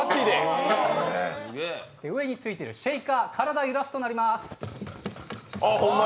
上についてるシェイカー、体を揺らすと鳴ります。